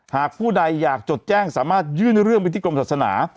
หากผู้ใดอยากจดแจ้งสามารถยื่นเรื่องไปที่กรมศาสนา